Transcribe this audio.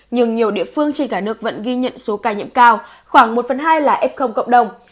nhưng nhiều địa phương trên cả nước vẫn ghi nhận số ca nhiễm cao khoảng một phần hai là f cộng đồng